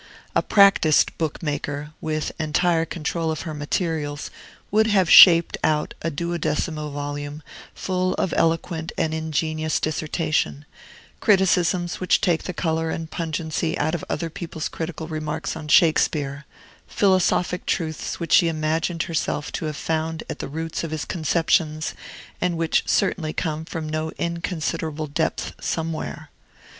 A practised book maker, with entire control of her materials, would have shaped out a duodecimo volume full of eloquent and ingenious dissertation, criticisms which quite take the color and pungency out of other people's critical remarks on Shakespeare, philosophic truths which she imagined herself to have found at the roots of his conceptions, and which certainly come from no inconsiderable depth somewhere.